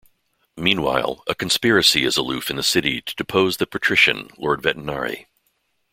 Meanwhile, a conspiracy is afoot in the city to depose the Patrician, Lord Vetinari.